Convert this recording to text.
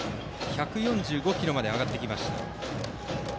１４５キロまで上がってきました。